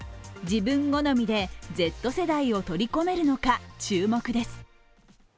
自分好みでＺ世代を取り込めるのか注目です。